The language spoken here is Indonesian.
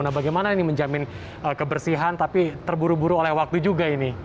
nah bagaimana ini menjamin kebersihan tapi terburu buru oleh waktu juga ini